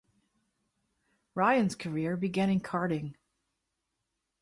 Ryan's career began in Karting.